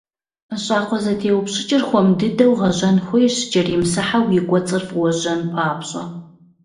Щӏакхъуэзэтеупӏэщӏыкӏыр хуэм дыдэу гъэжьэн хуейщ, кӏэримысхьэу и кӏуэцӏыр фӏыуэ жьэн папщӏэ.